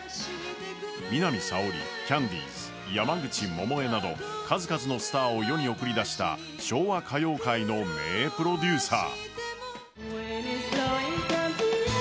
南沙織、キャンディーズ、山口百恵など数々のスターを世に送り出した昭和歌謡界の名プロデューサー。